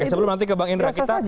sebelum nanti kebanginan kita